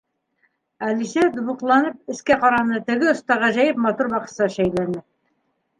Әлисә, тубыҡланып, эскә ҡараны, теге оста ғәжәйеп матур баҡса шәйләне.